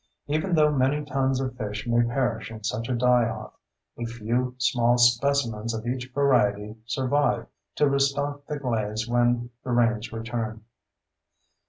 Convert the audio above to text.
Even though many tons of fish may perish in such a die off, a few small specimens of each variety survive to restock the glades when the rains return.